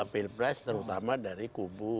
pilih proses terutama dari kubu dua